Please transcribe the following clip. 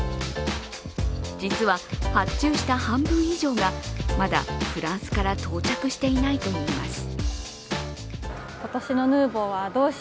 実は発注した半分以上が、まだフランスから到着していないといいます。